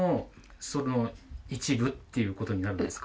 っていうことになるんですか？